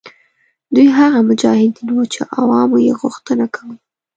دوی هغه مجاهدین وه چې عوامو یې غوښتنه کوله.